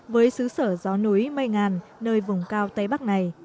với xứ sở gió núi mây ngàn nơi vùng cao tây bắc này